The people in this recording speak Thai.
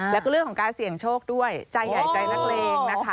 แล้วก็เรื่องของการเสี่ยงโชคด้วยใจใหญ่ใจนักเลงนะคะ